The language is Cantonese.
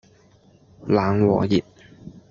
冷和熱